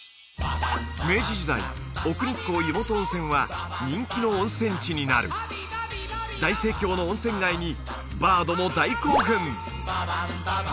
明治時代奥日光湯元温泉は人気の温泉地になる大盛況の温泉街にバードも大興奮